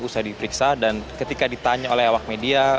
saya diperiksa dan ketika ditanya oleh awak media